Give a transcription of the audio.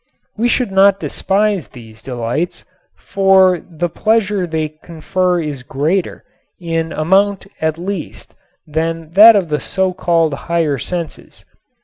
We should not despise these delights, for the pleasure they confer is greater, in amount at least, than that of the so called higher senses.